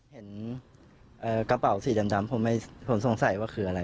เห็นเอ่อกระเป๋าสีดำดำผมไม่ผมสงสัยว่าคืออะไร